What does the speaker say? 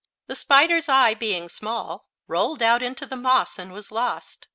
The spider's eye, being small, rolled out into the moss and was lost.